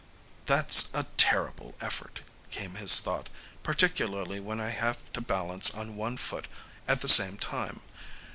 "That's a terrible effort," came his thought, "particularly when I have to balance on one foot at the same time.